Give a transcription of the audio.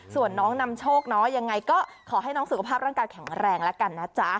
ส่วนน้องนำโชคเนาะยังไงก็ขอให้น้องสุขภาพร่างกายแข็งแรงแล้วกันนะจ๊ะ